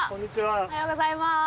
おはようございます。